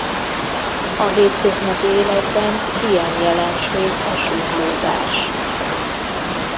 A hétköznapi életben ilyen jelenség a súrlódás.